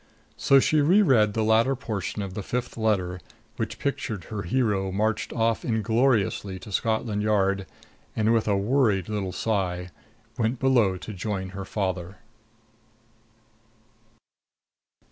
So she reread the latter portion of the fifth letter, which pictured her hero marched off ingloriously to Scotland Yard and with a worried little sigh, went below to join her father.